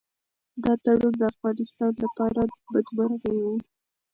دا تړون د افغانستان لپاره بدمرغي وه.